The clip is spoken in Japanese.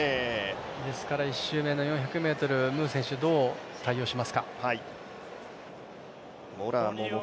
ですから、１周目の４００ｍ、ムー選手、どう対応しますか。